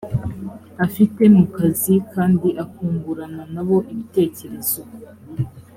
afite mu kazi kandi akungurana nabo ibitekerezo